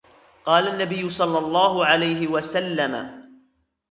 قَالَ النَّبِيُّ صَلَّى اللَّهُ عَلَيْهِ وَسَلَّمَ